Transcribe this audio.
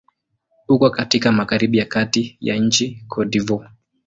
Uko katika magharibi ya kati ya nchi Cote d'Ivoire.